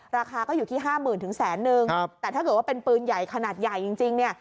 ราคาก็อยู่ที่ห้าหมื่นถึงแสนนึงแต่ถ้าเกิดว่าเป็นปืนใหญ่ขนาดใหญ่จริงเนี่ย